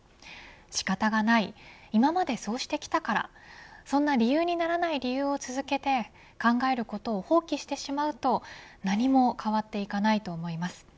仕方がない今までそうしてきたからそんな理由にならない理由を続けて考えることを放棄してしまうと何も変わっていかないと思います。